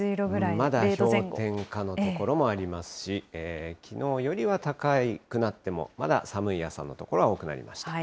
まだ氷点下の所もありますし、きのうよりは高くなっても、まだ寒い朝の所は多くなりました。